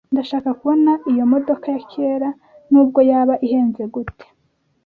Ndashaka kubona iyo modoka ya kera nubwo yaba ihenze gute.